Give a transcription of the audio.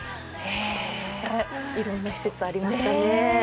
いろんな施設ありましたね。